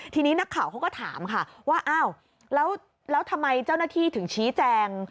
ทีนี้นักข่าวเขาก็ถามค่ะว่าอ้าวแล้วทำไมเจ้าหน้าที่ถึงชี้แจง